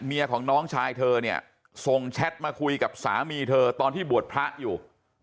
เมียของน้องชายเธอเนี่ยส่งแชทมาคุยกับสามีเธอตอนที่บวชพระอยู่